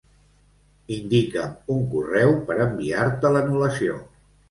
Indica'm un correu per enviar-te l'anul·lació.